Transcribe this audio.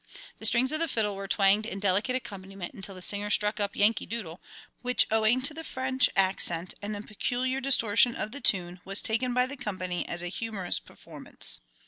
The strings of the fiddle were twanged in delicate accompaniment until the singer struck up Yankee Doodle, which, owing to the French accent and the peculiar distortion of the tune, was taken by the company as a humorous performance.